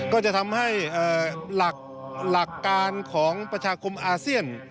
ก็จะทำให้หลักการของประชาคมอาเซียน